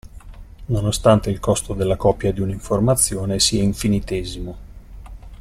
Nonostante il costo della copia di un'informazione sia infinitesimo.